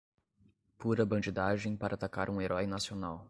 Pura bandidagem para atacar um herói nacional